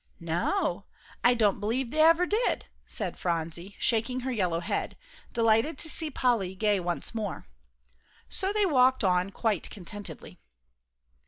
"No, I don't b'lieve they ever did," said Phronsie, shaking her yellow head, delighted to see Polly gay once more. So they walked on quite contentedly.